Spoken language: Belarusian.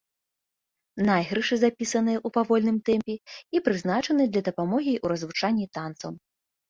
Найгрышы запісаныя ў павольным тэмпе і прызначаныя для дапамогі ў развучванні танцаў.